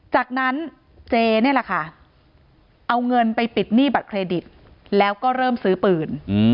จากนั้นเจนี่แหละค่ะเอาเงินไปปิดหนี้บัตรเครดิตแล้วก็เริ่มซื้อปืน